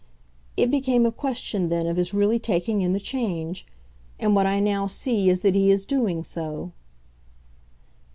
It became a question then of his really taking in the change and what I now see is that he is doing so."